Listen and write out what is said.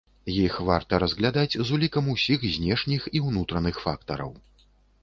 Іх варта разглядаць з улікам усіх знешніх і ўнутраных фактараў.